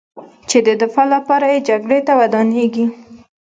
چې د دفاع لپاره یې جګړې ته ودانګي